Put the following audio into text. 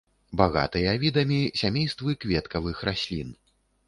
Багатыя відамі сямействы кветкавых раслін.